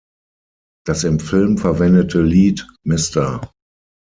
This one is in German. Das im Film verwendete Lied "Mr.